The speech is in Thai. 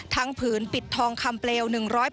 ผืนปิดทองคำเปลว๑๐๐